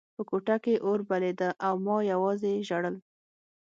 په کوټه کې اور بلېده او ما یوازې ژړل